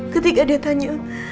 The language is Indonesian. ketika dia tanya